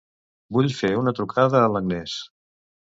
Vull fer una trucada a l'Agnès.